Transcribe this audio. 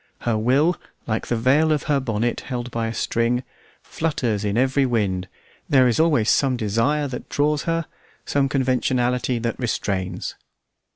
Her will, like the veil of her bonnet, held by a string, flutters in every wind; there is always some desire that draws her, some conventionality that restrains.